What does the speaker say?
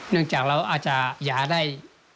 เนื่องจากเราอาจจะหยาได้